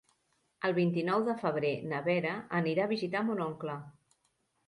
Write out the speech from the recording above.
El vint-i-nou de febrer na Vera anirà a visitar mon oncle.